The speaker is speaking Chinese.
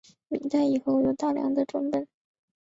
明代以后有大量的辑本。